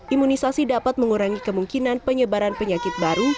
imunisasi dapat mengurangi kemungkinan penyebaran penyakit baru